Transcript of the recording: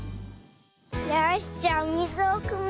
よしじゃあおみずをくむよ。